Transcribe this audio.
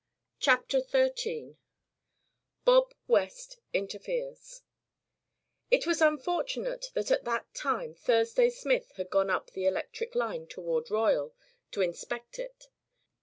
CHAPTER XIII BOB WEST INTERFERES It was unfortunate that at that time Thursday Smith had gone up the electric line toward Royal, to inspect it.